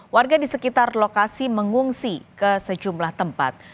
warga di sekitar lokasi mengungsi ke sejumlah tempat